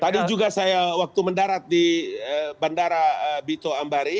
tadi juga saya waktu mendarat di bandara bito ambari